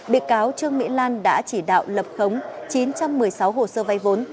bị cáo trương mỹ lan đã chỉ đạo lập khống chín trăm một mươi sáu hồ sơ vay vốn